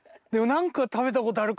何か食べたことある。